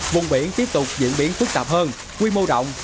vùng biển tiếp tục diễn biến phức tạp hơn quy mô động